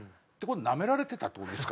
なめられてたって事ですか？